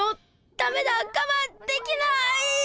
ダメだがまんできない！